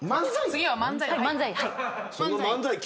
次は漫才。